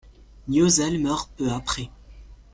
Niozelles meurt peu après.